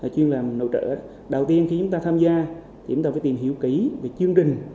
chuyên làm nội trợ đầu tiên khi chúng ta tham gia thì chúng ta phải tìm hiểu kỹ về chương trình